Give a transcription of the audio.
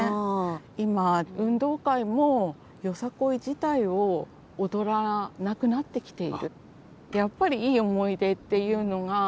今運動会も「よさこい」自体を踊らなくなってきている。